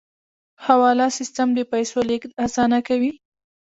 حواله سیستم د پیسو لیږد اسانه کوي